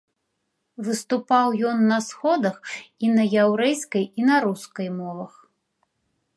Выступаў ён на сходах і на яўрэйскай і на рускай мовах.